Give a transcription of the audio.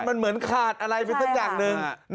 มันเหมือนขาดอะไรไปสักอย่างหนึ่ง